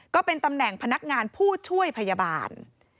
ก็เป็นตำแหน่งพนักงานผู้ช่วยพยาบาล